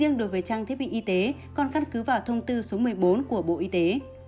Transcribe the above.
riêng đối với trang thiết bị y tế còn căn cứ vào thông tư số một mươi bốn của bộ y tế